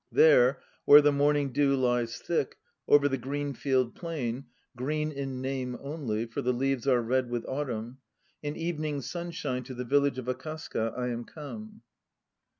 There where the morning dew lies thick, over the Greenfield Plain, Green in name only for the leaves are red with autumn In evening sunshine to the village of Akasaka I am come!